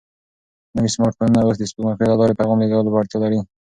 نوي سمارټ فونونه اوس د سپوږمکیو له لارې د پیغام لېږلو وړتیا لري.